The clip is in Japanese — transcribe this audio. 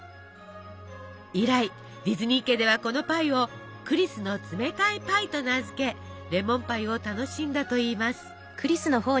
以来ディズニー家ではこのパイを「クリスの冷たいパイ」と名付けレモンパイを楽しんだといいます。